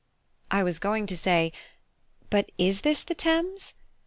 I was going to say, "But is this the Thames?"